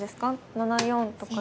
７四とかに。